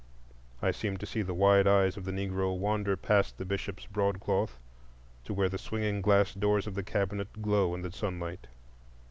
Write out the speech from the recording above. I seem to see the wide eyes of the Negro wander past the Bishop's broadcloth to where the swinging glass doors of the cabinet glow in the sunlight.